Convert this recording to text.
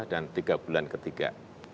dan tiga bulan ketiga